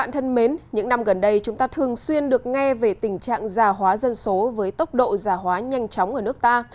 thân mến những năm gần đây chúng ta thường xuyên được nghe về tình trạng già hóa dân số với tốc độ giả hóa nhanh chóng ở nước ta